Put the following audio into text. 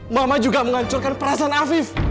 mama juga menghancurkan perasaan afif